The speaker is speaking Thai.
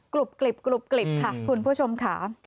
กรุบกริบค่ะคุณผู้ชมค่ะ